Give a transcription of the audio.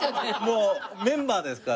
もうメンバーですから。